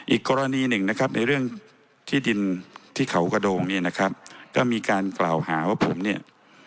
อีกกรณีหนึ่งนะครับในเรื่องที่ดินที่เขากระโดงเนี่ยนะครับก็มีการกล่าวหาว่าผมเนี่ย